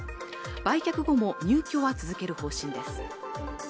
売却後も入居は続ける方針です